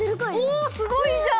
おっすごいじゃん！